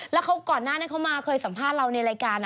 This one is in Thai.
แล้วก่อนหน้านั้นเขามาเคยสัมภาษณ์เราในรายการ